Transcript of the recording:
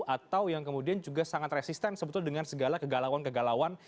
atau yang kemudian juga sangat resisten sebetulnya dengan segala kegalauan kegalauan